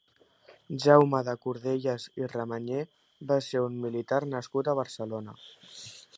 Jaume de Cordelles i Ramanyer va ser un militar nascut a Barcelona.